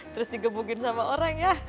terus digebukin sama orang ya